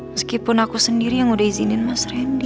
meskipun aku sendiri yang udah izinin mas randy